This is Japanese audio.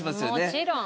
もちろん。